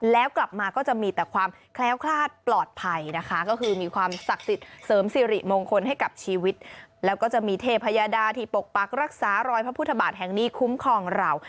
แล้วกลับมาก็จะมีแต่ความแคล้วคลาดปลอดภัยนะคะก็คือมีความศักดิ์สิทธิ์เสริมสิริมงคลให้กับชีวิตแล้วก็จะมีเทพยาดาที่ปกปักรักษารอยพระพุทธบาทแห่งนี้คุ้มครองเรา